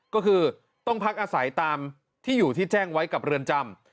ก็คือต้องพักอาศัยตามที่อยู่ที่แจ้งไว้กับเรือนจำ